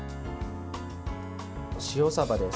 塩さばです。